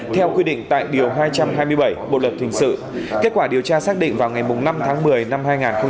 theo quy định tại điều hai trăm hai mươi bảy bộ luật hình sự kết quả điều tra xác định vào ngày năm tháng một mươi năm hai nghìn một mươi chín